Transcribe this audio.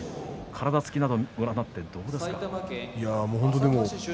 体つきをご覧になってどうですか？